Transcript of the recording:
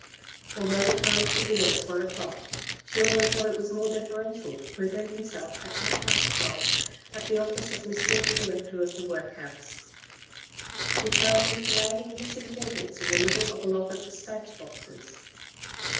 Although the time of the dinner was one o'clock, Julien thought it was more deferential to present himself at half past twelve at the office of M. the director of the workhouse. He found him parading his importance in the middle of a lot of despatch boxes.